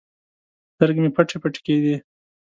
سترګې مې پټې پټې کېدې.